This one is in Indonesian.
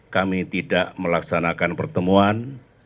kami tidak melaksanakan pertemuan